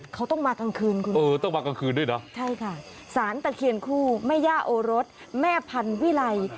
เขาต้องมากลางคืนคุณค่ะใช่ค่ะสารตะเคียนคู่แม่ย่าโอรสแม่พันวิไล